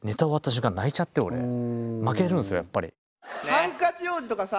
ハンカチ王子とかさ